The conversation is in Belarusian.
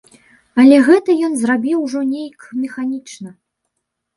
Але гэта ён зрабіў ужо нейк механічна.